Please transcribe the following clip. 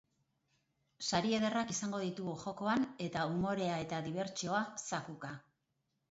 Sari ederrak izango ditugu jokoan eta umorea eta dibertsioa zakuka!